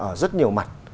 ở rất nhiều mặt